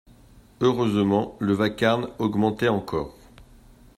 Heureusement le vacarme augmentait encore.